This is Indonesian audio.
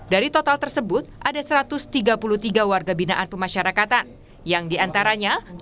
dari total tersebut ada satu ratus tiga puluh tiga warga binaan pemasyarakatan yang diantaranya tiga warga binaan di lapas kelas dua asidoarjo yang dipastikan kelas dua